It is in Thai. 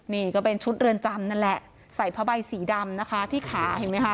นี่ก็เป็นชุดเรือนจำนั่นแหละใส่ผ้าใบสีดำนะคะที่ขาเห็นไหมคะ